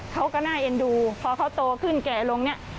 เขาก็น่าเอ็นดูพอเขาโตขึ้นแก่ลงเนี่ย